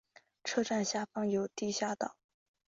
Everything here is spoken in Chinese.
车站下方有地下道。